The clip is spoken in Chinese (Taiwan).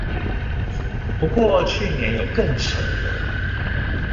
不過去年有更扯的